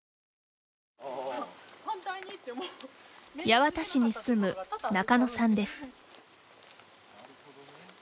八幡市に住む中野さんです。